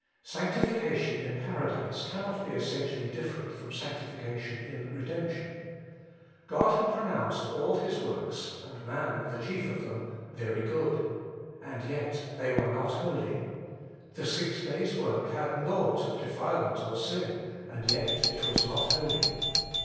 Sanctification in Paradise cannot be essentially different from Sanctification in Redemption. God had pronounced all His works, and man the chief of them, very good. And yet they were not holy. The six days' work had nought of defilement or sin, and yet it was not holy.